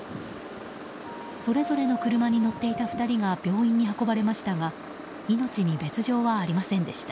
それぞれの車に乗っていた２人が病院に運ばれましたが命に別条はありませんでした。